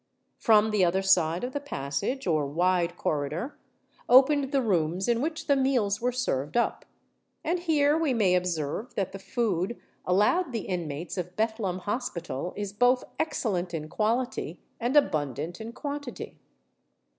From the other side of the passage, or wide corridor, opened the rooms in which the meals were served up; and here we may observe that the food allowed the inmates of Bethlem Hospital is both excellent in quality and abundant in quantity.